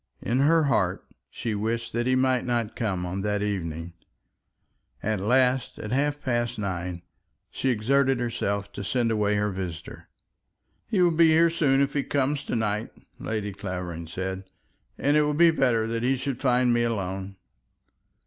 In her heart she wished that he might not come on that evening. At last, at half past nine, she exerted herself to send away her visitor. "He will be here soon, if he comes to night," Lady Clavering said, "and it will be better that he should find me alone."